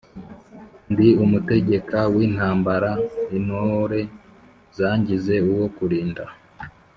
ndi umutegeka w'intambara intore zangize uwo kulinda.